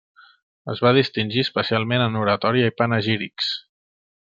Es va distingir especialment en oratòria i panegírics.